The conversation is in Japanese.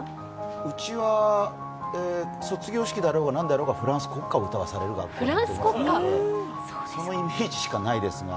うちは卒業式だろうがなんだろうがフランス国歌を歌わされる学校でそのイメージしかないですね。